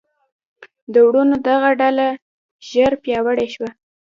د وروڼو دغه ډله ژر پیاوړې شوه.